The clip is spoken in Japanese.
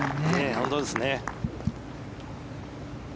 本当ですね。